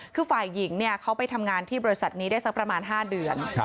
คือฝ่ายหญิงเขาไปทำงานที่บริษัทนี้ได้สักประมาณ๕เดือน